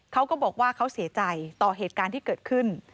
เขาก็บอกว่าเขาเสียใจต่อเหตุการณ์ที่เกิดขึ้น